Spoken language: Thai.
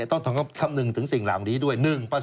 ต้องทำคำหนึ่งถึงสิ่งหลังดีด้วย